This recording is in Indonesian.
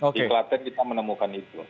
di klaten kita menemukan itu